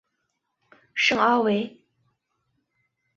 圣阿维。